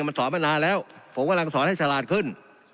มันสอนมานานแล้วผมกำลังสอนให้ฉลาดขึ้น